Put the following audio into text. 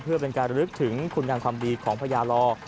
เพื่อเป็นการระลึกถึงคุณงามความดีของพญาลอ